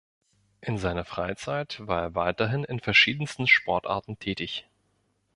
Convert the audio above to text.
In seiner Freizeit war er weiterhin in verschiedensten Sportarten tätig.